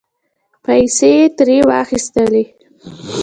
پیسې یې ترې واخستلې